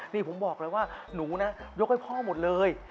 นี่ผมบอกเลยว่าหนูนะยกให้พ่อหมดเลย